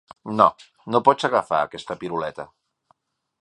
No, no pots agafar aquesta piruleta.